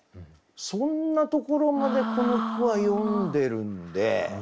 そんなところまでこの句は詠んでるんで。